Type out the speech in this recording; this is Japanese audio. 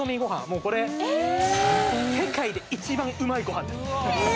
もうこれ世界で一番うまいご飯です